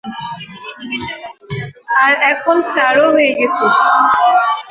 আর এখন স্টারও হয়ে গেছিস।